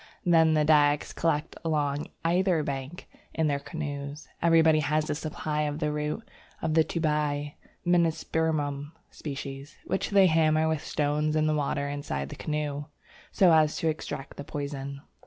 Then the Dyaks collect along either bank in their canoes. Everybody has a supply of the root of the tubai (Menispermum sp.), which they hammer with stones in the water inside the canoe, so as to extract the poison.